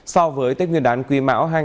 so với tết nguyên đán quy mão